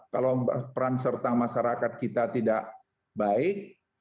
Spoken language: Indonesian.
kalau peran serta masyarakat kita tidak baik